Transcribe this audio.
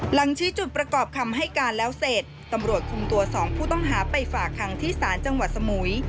ชี้จุดประกอบคำให้การแล้วเสร็จตำรวจคุมตัว๒ผู้ต้องหาไปฝากคังที่ศาลจังหวัดสมุย